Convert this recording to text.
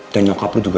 dan nyokap lu juga